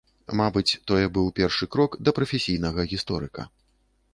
Мабыць, тое быў першы крок да прафесійнага гісторыка.